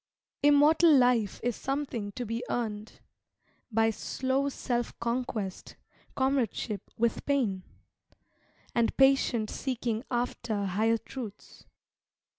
Immortal life is something to be earned, By slow self conquest, comradeship with Pain, And patient seeking after higher truths.